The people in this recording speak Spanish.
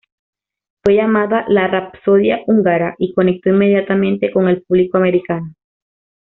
Fue llamada "La Rapsodia Húngara" y conectó inmediatamente con el público americano.